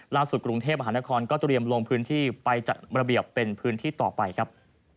กรุงเทพมหานครก็เตรียมลงพื้นที่ไปจัดระเบียบเป็นพื้นที่ต่อไปครับ